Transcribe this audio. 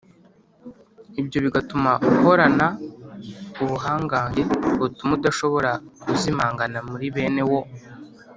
ibyo bigatuma uhorana ubuhangange butuma udashobora kuzimangana muri bene wo.